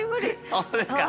本当ですか？